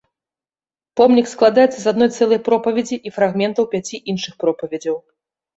Помнік складаецца з адной цэлай пропаведзі і фрагментаў пяці іншых пропаведзяў.